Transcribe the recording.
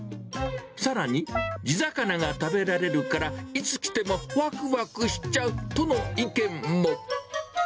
さらに、地魚が食べられるから、いつ来てもわくわくしちゃうとの意見も。